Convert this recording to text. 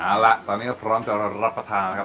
เอาละตอนนี้ก็พร้อมจะรับประทานนะครับ